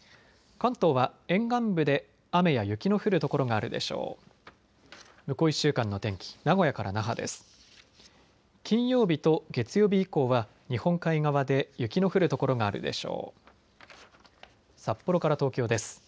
関東は沿岸部で雨や雪の降る所があるでしょう。